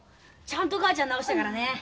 ちゃんと母ちゃん直したからね。